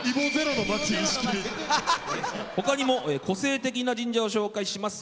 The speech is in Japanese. ほかにも個性的な神社を紹介します。